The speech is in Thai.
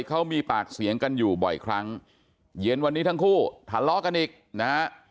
เขามีปากเสียงกันอยู่บ่อยครั้งเย็นวันนี้ทั้งคู่ทะเลาะกันอีกนะฮะ